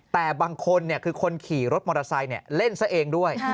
แต่บางคนคือคนขี่รถมอเตอร์ไซค์เล่นซะเองด้วย